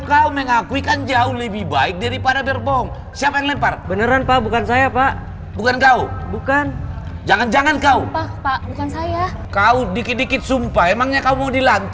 sampai jumpa di video selanjutnya